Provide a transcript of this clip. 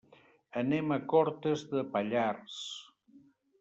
Anem a Cortes de Pallars.